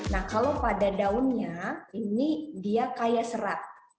nah kalau pada daunnya ini dia kaya serat